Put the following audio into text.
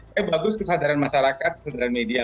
tapi bagus kesadaran masyarakat kesadaran media